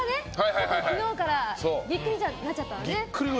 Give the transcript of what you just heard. ちょっと昨日からぎっくりになっちゃって。